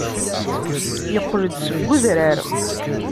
Yeqqel-d seg udrar.